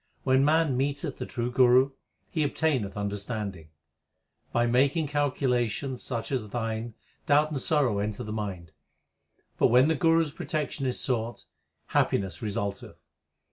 When man meeteth the true Guru, he obtaineth under standing. By making calculations such as thine doubt and sorrow enter the mind ; But, when the Guru s protection is sought, happiness result eth.